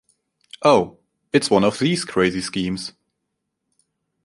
Oh — it's one of these crazy schemes.